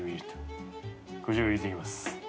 こちらを入れていきます。